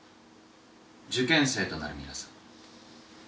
受験生となる皆さん。